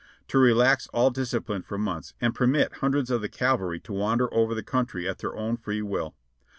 — to relax all discipline for months and permit hundreds of the cavalry to wander over the country at their own free will.